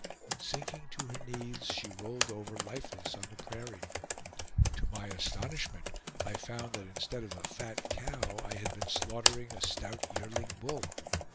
Sinking to her knees, she rolled over lifeless on the prairie. To my astonishment, I found that instead of a fat cow I had been slaughtering a stout yearling bull.